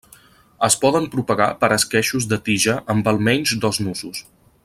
Es poden propagar per esqueixos de tija amb almenys dos nusos.